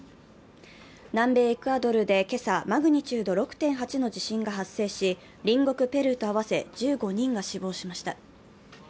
南米エクアドルで今朝、マグニチュード６．８の地震が発生し、隣国ペルーと合わせ１５人が死亡しました。